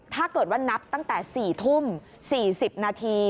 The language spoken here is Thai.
ถ้าเกิดว่านับตั้งแต่๔ทุ่ม๔๐นาที